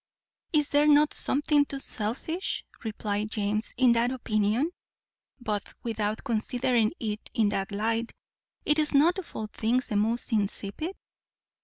"Is there not something too selfish," replied James, "in that opinion? but, without considering it in that light, is it not of all things the most insipid?